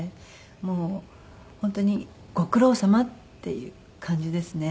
もう本当にご苦労さまっていう感じですね。